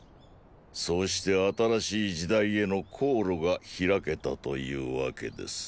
そうして新しい時代への航路が開けたというわけです。